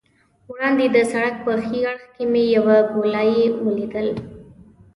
وړاندې د سړک په ښي اړخ کې مې یوه ګولایي ولیدل.